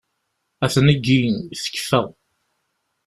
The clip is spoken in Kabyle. A tneggi! Tekfa!